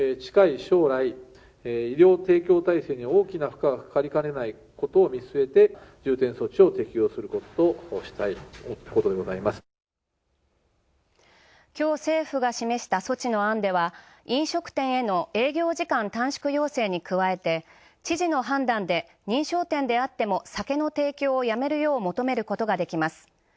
きょう政府が示した措置の案では飲食店への営業時間短縮要請に加えて、知事の判断で認証店であっても酒の提供をやめるよう求めることができます。